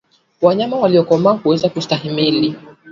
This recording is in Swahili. Wanyama waliokomaa huweza kustahimili